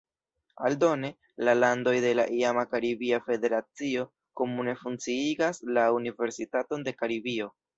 Aldone, la landoj de la iama Karibia Federacio komune funkciigas la Universitaton de Karibio.